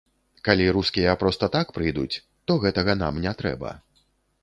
Калі рускія проста так прыйдуць, то гэтага нам не трэба.